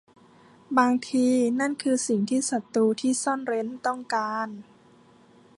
บางที นั่นคือสิ่งที่ศ้ตรูที่ซ่อนเร้นต้องการ